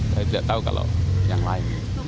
saya tidak tahu kalau yang lain